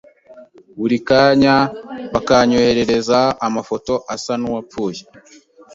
buri kanya bakanyoherereza amafoto asa nuwapfuye